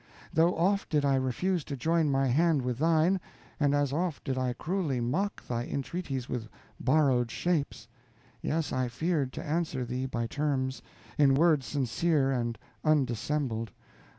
Though oft did I refuse to join my hand with thine, and as oft did I cruelly mock thy entreaties with borrowed shapes: yes, I feared to answer thee by terms, in words sincere and undissembled.